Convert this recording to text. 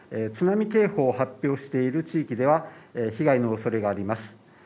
津波警報を発表している地域では被害の恐れがあります